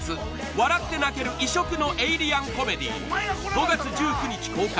笑って泣ける異色のエイリアンコメディ５月１９日公開